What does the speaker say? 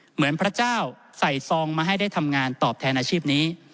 เหมือนพระเจ้าใส่ซองมาให้ได้ทำงานตอบแทนอาชีพนี้